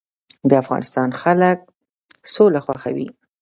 د افغانستان خلک سوله خوښوي